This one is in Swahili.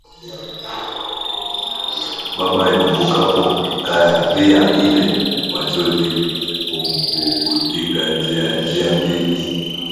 Baba aikumbukapo kadhia ile, machozi humpukutika njia mbili